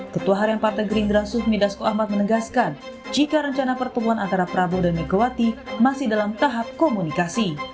ketua harian partai gerindra sufmi dasko ahmad menegaskan jika rencana pertemuan antara prabowo dan megawati masih dalam tahap komunikasi